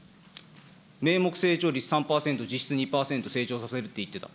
名目成長率３％、実質２％成長させるって言ってた。